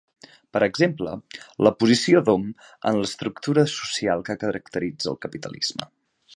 Per exemple, la posició d'hom en l'estructura social que caracteritza al capitalisme.